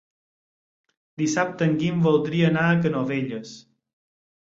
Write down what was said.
Dissabte en Guim voldria anar a Canovelles.